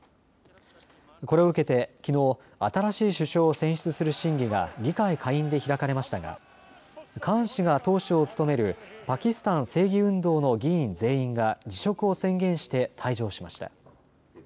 これを受けてきのう新しい首相を選出する審議が議会下院で開かれましたがカーン氏が党首を務めるパキスタン正義運動の議員全員が辞職を宣言して退場しました。